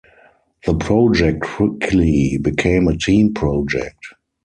The project quickly became a team project.